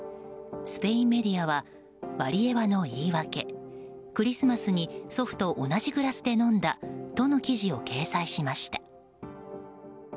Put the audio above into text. スペインメディアはワリエワの言い訳クリスマスに祖父と同じグラスで飲んだとの記事を掲載しました。